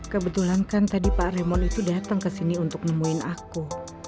kebetulan kan tadi pak raymond itu datang kesini untuk nemuin aku